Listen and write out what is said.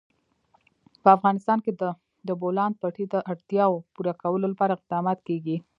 په افغانستان کې د د بولان پټي د اړتیاوو پوره کولو لپاره اقدامات کېږي.